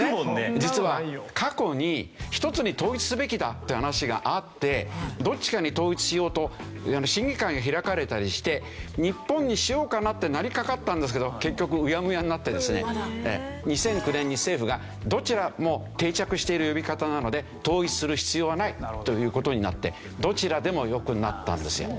実は過去に一つに統一すべきだっていう話があってどっちかに統一しようと審議会が開かれたりして「ニッポン」にしようかなってなりかかったんですけど２００９年に政府がどちらも定着している呼び方なので統一する必要はないという事になってどちらでもよくなったんですよ。